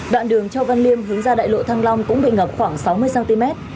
đoạn đường châu văn liêm hướng ra đại lộ thăng long cũng bị ngập khoảng sáu mươi cm